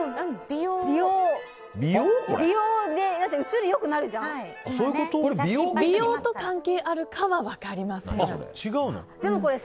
美容と関係あるかは分かりません。